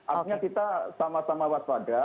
artinya kita sama sama waspada